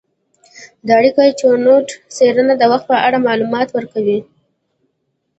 د اریکا چنووت څیړنه د وخت په اړه معلومات ورکوي.